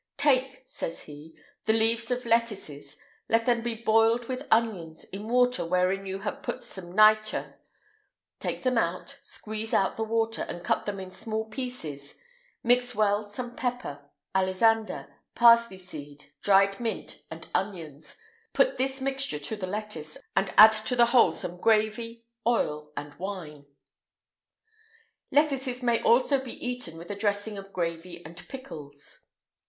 "Take," says he, "the leaves of lettuces, let them be boiled with onions, in water wherein you have put some nitre; take them out, squeeze out the water, and cut them in small pieces; mix well some pepper, alisander,[IX 133] parsley seed, dried mint, and onions; put this mixture to the lettuce, and add to the whole some gravy, oil, and wine."[IX 134] Lettuces may also be eaten with a dressing of gravy and pickles.